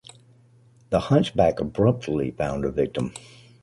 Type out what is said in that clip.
The hunchback abruptly found a victim.